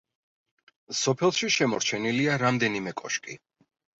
სოფელში შემორჩენილია რამდენიმე კოშკი.